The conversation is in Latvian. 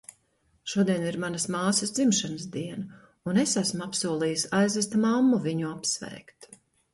Šodien ir manas māsas dzimšanas diena, un es esmu apsolījusi aizvest mammu viņu apsveikt.